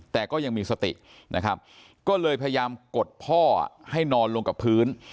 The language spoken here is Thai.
แต่ก็ยังมีสตินะครับก็เลยพยายามกดพ่อให้นอนลงกับพื้น